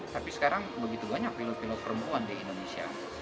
tapi sekarang begitu banyak pilot pilot perempuan di indonesia